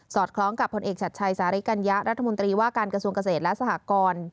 คล้องกับผลเอกชัดชัยสาริกัญญะรัฐมนตรีว่าการกระทรวงเกษตรและสหกร